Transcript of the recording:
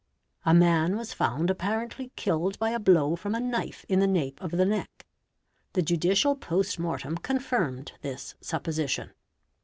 A man was found apparently killed by a blow from a knife in the nape of the neck. The judicial post mortem confirmed this supposition.